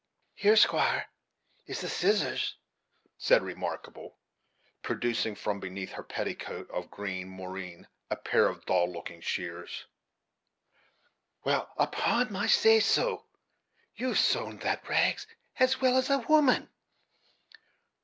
"Here, squire, is the scissors," said Remarkable, producing from beneath her petticoat of green moreen a pair of dull looking shears; "well, upon my say so, you have sewed on the rags as well as a woman."